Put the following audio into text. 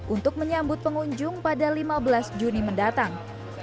untuk menyambut pengunjung pada lima belas juni mendatang